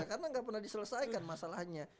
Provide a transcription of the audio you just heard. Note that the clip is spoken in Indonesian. karena gak pernah diselesaikan masalahnya